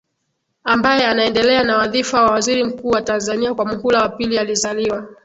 ambaye anaendelea na wadhifa wa Waziri Mkuu wa Tanzania kwa muhula wa pili alizaliwa